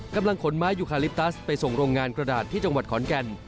กำลังขนไม้ยูคาลิปตัสไปส่งโรงงานกระดาษที่จังหวัดขอนแก่น